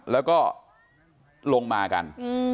แล้วก็ลงมากัน